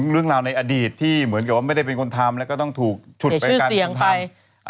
เรื่องราวในอดีตที่เหมือนกับว่าไม่ได้เป็นคนทำแล้วก็ต้องถูกฉุดไปการเมืองไทย